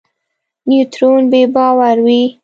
نیوترون بې بار وي.